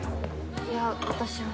いや私は。